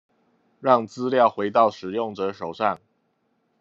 讓資料回到使用者手上